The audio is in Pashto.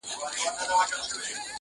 o ګلسوم د نجونو نښه ده تل,